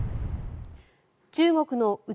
中国の内